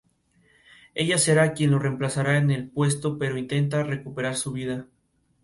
Ella será quien lo reemplazará en el puesto; pero intenta recuperar su vida.